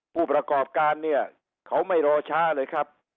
ผู้ประกอบการเนี่ยเขาไม่รอช้าเลยครับ